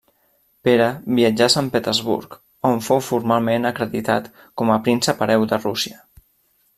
Pere viatjà a Sant Petersburg on fou formalment acreditat com a príncep hereu de Rússia.